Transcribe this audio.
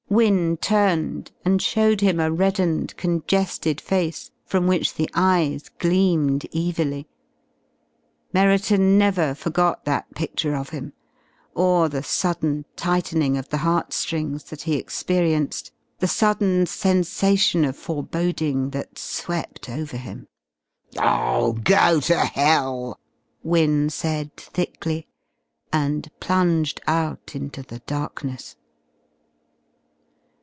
Wynne turned and showed him a reddened, congested face from which the eyes gleamed evilly. Merriton never forgot that picture of him, or the sudden tightening of the heart strings that he experienced, the sudden sensation of foreboding that swept over him. "Oh go to hell!" Wynne said thickly. And plunged out into the darkness.